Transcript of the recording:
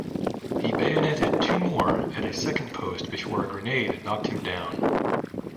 He bayoneted two more at a second post before a grenade knocked him down.